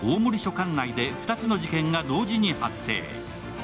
管内で２つの事件が同時に発生。